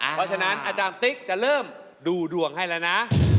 เพราะฉะนั้นอาจารย์ติ๊กจะเริ่มดูดวงให้แล้วนะ